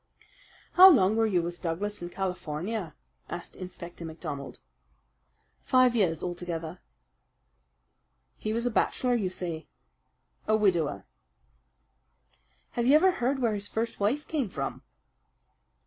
"How long were you with Douglas in California?" asked Inspector MacDonald. "Five years altogether." "He was a bachelor, you say?" "A widower." "Have you ever heard where his first wife came from?"